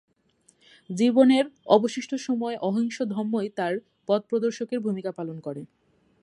জীবনের অবশিষ্ট সময় অহিংস ধম্মই তাঁর পথপ্রদশ©র্কর ভূমিকা পালন করে।